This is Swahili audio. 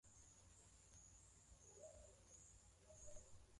kumekuwepo na uhaba wa mafuta na mfumuko wa bei za bidhaa kwa wanunuzi